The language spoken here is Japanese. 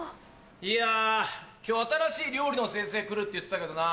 いや今日新しい料理の先生来るって言ってたけどな。